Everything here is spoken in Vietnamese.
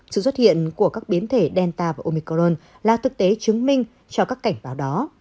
sự xuất hiện của các biến thể delta và omicrone là thực tế chứng minh cho các cảnh báo đó